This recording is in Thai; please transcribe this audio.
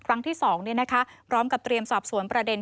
ครั้งที่๒พร้อมกับเตรียมสอบสวนประเด็น